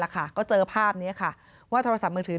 ก็เจอภาพนี้ค่ะว่าโทรศัพท์มือถือ